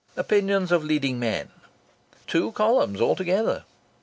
Opinions of leading men." Two columns altogether!